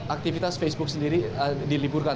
aktivitas facebook sendiri diliburkan